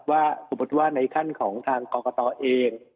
ว่าสมมุติว่าในขั้นของทางกรกตเอง